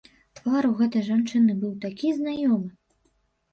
Твар у гэтай жанчыны быў такі знаёмы!